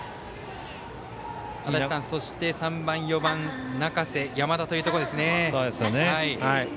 足達さん、３番、４番中瀬、山田というところですね。